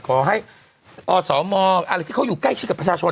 ขอให้อสมอะไรที่เขาอยู่ใกล้ชิดกับประชาชน